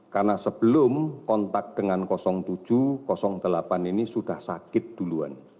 karena sebelum kontak dengan tujuh delapan ini sudah sakit duluan